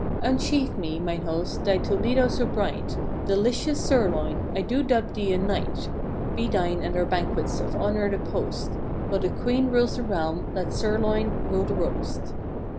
"Unsheathe me, mine host, thy Toledo so bright, Delicious Sir Loin, I do dub thee a knight! Be thine at our banquets of honor the post ; While the Queen rules the realm, let Sir Loin rule the roast."